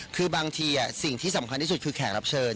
คือบางทีสิ่งที่สำคัญที่สุดคือแขกรับเชิญ